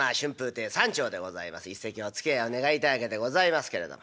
一席おつきあいを願いたいわけでございますけれども。